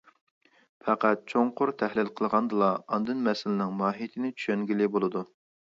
پەقەت چوڭقۇر تەھلىل قىلغاندىلا ئاندىن مەسىلىنىڭ ماھىيىتىنى چۈشەنگىلى بولىدۇ.